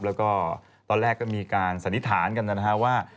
แล้วก็ตอนแรกก็มีการสันนิษฐานกันนะฮะว่า